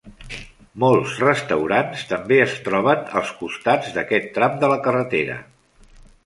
Molts restaurants també es troben als costats d"aquest tram de la carretera.